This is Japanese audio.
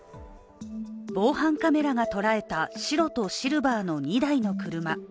防犯カメラが捉えた白とシルバーの２台の車。